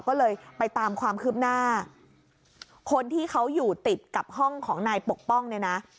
ก็เลยไปตามความคืบหน้าคนที่เขาอยู่ติดกับห้องของนายปกป้องเนี่ยนะ